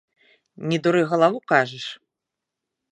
Не дуры галавы, кажаш?